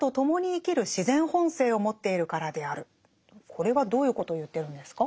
これはどういうことを言ってるんですか？